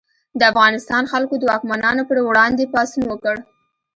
د افغانستان خلکو د واکمنانو پر وړاندې پاڅون وکړ.